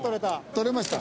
撮れました。